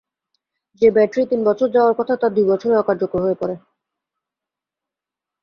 যে ব্যাটারি তিন বছর যাওয়ার কথা তা দুই বছরেই অকার্যকর হয়ে পড়ে।